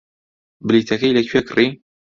بلیتەکەی لەکوێ کڕی؟